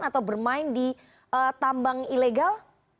atau bermain di tambang ilegal